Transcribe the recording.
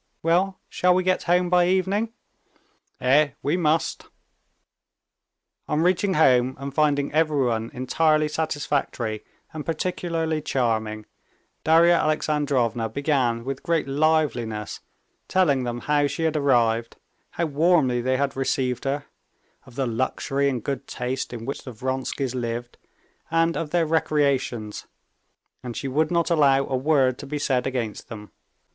Well, shall we get home by evening?" "Eh, we must!" On reaching home and finding everyone entirely satisfactory and particularly charming, Darya Alexandrovna began with great liveliness telling them how she had arrived, how warmly they had received her, of the luxury and good taste in which the Vronskys lived, and of their recreations, and she would not allow a word to be said against them.